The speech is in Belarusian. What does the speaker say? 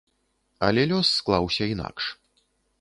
Але лёс склаўся інакш.